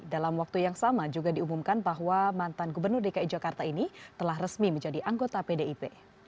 dalam waktu yang sama juga diumumkan bahwa mantan gubernur dki jakarta ini telah resmi menjadi anggota pdip